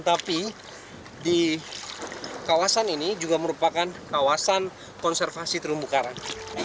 tapi di kawasan ini juga merupakan kawasan konservasi terumbu karang